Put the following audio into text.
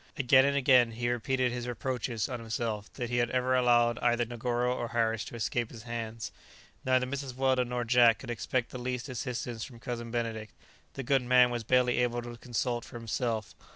Again and again he repeated his reproaches on himself that he had ever allowed either Negoro or Harris to escape his hands. Neither Mrs. Weldon nor Jack could expect the least assistance from Cousin Benedict; the good man was barely able to consult for himself.